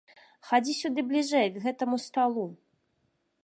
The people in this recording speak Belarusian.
Хадзі сюды бліжэй к гэтаму сталу.